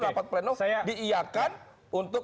rapat pleno diiyakan untuk